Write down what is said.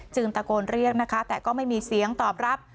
ตะโกนเรียกนะคะแต่ก็ไม่มีเสียงตอบรับ